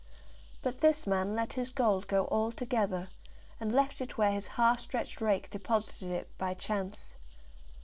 But this man let his gold go all together, and left it where his half stretched rake deposited it by chance.